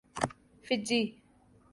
Fiji